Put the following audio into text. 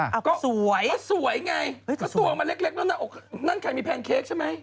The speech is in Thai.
อ้าวสวยก็สวยไงถ้าตัวออกมาเล็กแล้วนั่นใครมีแพนเค้กใช่ไหม